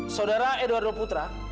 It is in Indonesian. saudara edwardo putra